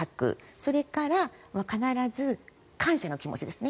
それから必ず感謝の気持ちですね。